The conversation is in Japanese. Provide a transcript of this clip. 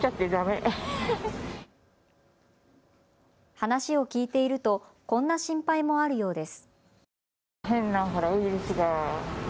話を聞いていると、こんな心配もあるようです。